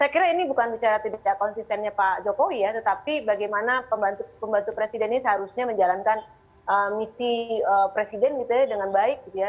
saya kira ini bukan bicara tidak konsistennya pak jokowi ya tetapi bagaimana pembantu presiden ini seharusnya menjalankan misi presiden misalnya dengan baik gitu ya